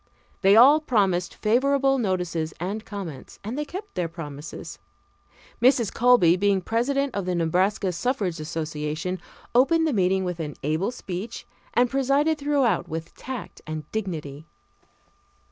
They all promised favorable notices and comments, and they kept their promises. Mrs. Colby, being president of the Nebraska Suffrage Association, opened the meeting with an able speech, and presided throughout with tact and dignity.